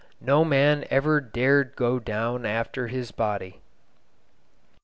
No man ever dared go down after his body.